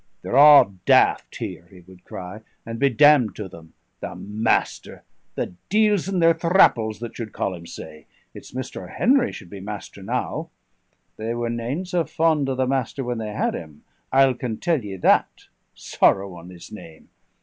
"They're a' daft here," he would cry, "and be damned to them! The Master the deil's in their thrapples that should call him sae! it's Mr. Henry should be master now! They were nane sae fond o' the Master when they had him, I'll can tell ye that. Sorrow on his name!